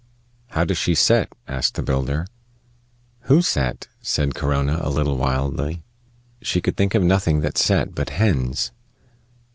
"How does she set?" asked the builder. "Who set?" said Corona, a little wildly. She could think of nothing that set but hens.